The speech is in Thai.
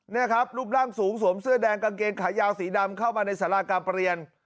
นี่ครับรูปร่างสูงสวมเสื้อแดงกางเกงขายาวสีดำเข้ามาในสาราการประเรียน